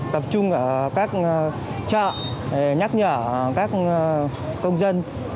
tập trung ở các chợ nhắc nhở các công dân